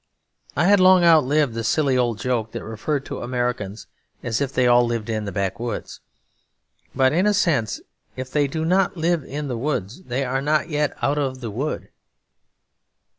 I had long outlived the silly old joke that referred to Americans as if they all lived in the backwoods. But, in a sense, if they do not live in the woods, they are not yet out of the wood.